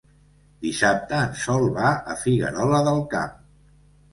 Dissabte en Sol va a Figuerola del Camp.